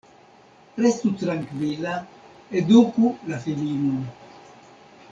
Restu trankvila, eduku la filinon.